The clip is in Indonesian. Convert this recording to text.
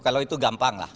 kalau itu gampang lah